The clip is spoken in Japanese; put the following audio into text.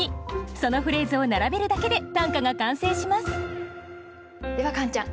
そのフレーズを並べるだけで短歌が完成しますではカンちゃん。